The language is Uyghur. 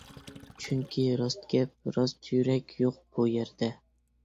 -چۈنكى راست گەپ، راست يۈرەك يوق بۇ يەردە.